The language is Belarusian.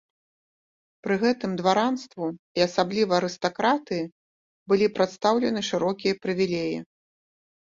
Пры гэтым дваранству і асабліва арыстакратыі былі прадстаўлены шырокія прывілеі.